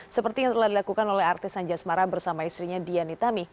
seperti yang telah dilakukan oleh artis anja smara bersama istrinya dianit tami